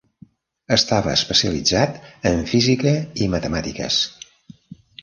Estava especialitzat en física i matemàtiques.